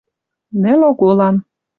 Нӹл оголан.